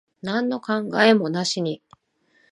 なんの考えもなしに。